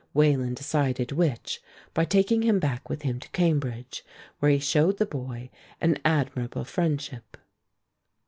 Wayland decided which by taking him back with him to Cambridge, where he showed the boy an admirable friendship.